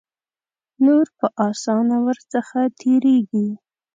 نور په آسانه ور څخه تیریږي.